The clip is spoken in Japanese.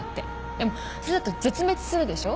でもそれだと絶滅するでしょ？